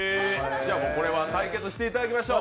これは対決していただきましょう。